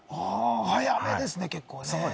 早めですね、結構。